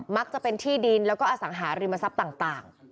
จะเป็นที่ดินแล้วก็อสังหาริมทรัพย์ต่าง